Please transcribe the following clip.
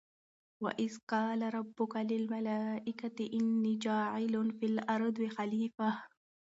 وَإِذْ قَالَ رَبُّكَ لِلْمَلٰٓئِكَةِ إِنِّى جَاعِلٌ فِى الْأَرْضِ خَلِيفَةً ۖ